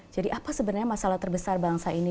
jadi apa sebenarnya masalah terbesar bangsa ini